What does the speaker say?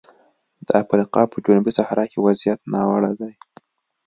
د افریقا په جنوبي صحرا کې وضعیت ناوړه دی.